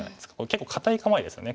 結構堅い構えですね